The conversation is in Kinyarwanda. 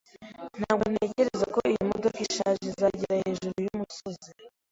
Ntabwo ntekereza ko iyi modoka ishaje izagera hejuru yumusozi.